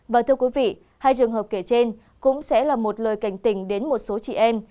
và thưa quý vị hai trường hợp kể trên cũng sẽ là một lời cảnh tình đến một số chị em